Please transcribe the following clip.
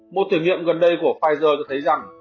một thử nghiệm gần đây của pfizer cho thấy rằng